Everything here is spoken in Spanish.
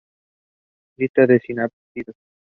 Lista de sinápsidos